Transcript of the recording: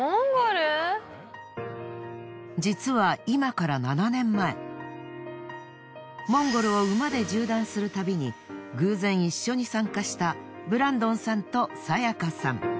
実は今から７年前モンゴルを馬で縦断する旅に偶然一緒に参加したブランドンさんと清香さん。